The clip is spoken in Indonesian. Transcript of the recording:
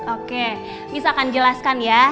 oke bisa akan jelaskan ya